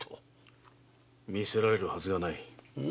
見せられるはずがない。